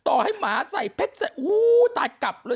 ต่อให้หมาใส่สิตัดกลับเลย